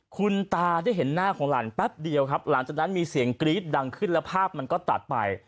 คุณตาได้เห็นหน้าของหลานแป๊บเดียวครับหลังจากนั้นมีเสียงกรี๊ดดังขึ้นแล้วภาพมันก็ตัดไป